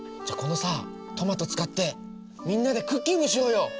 じゃあこのさトマト使ってみんなでクッキングしようよ！